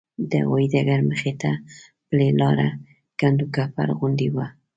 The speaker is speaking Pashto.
د هوایي ډګر مخې ته پلې لاره کنډوکپر غوندې وه.